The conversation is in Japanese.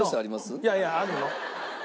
いやいやあるの。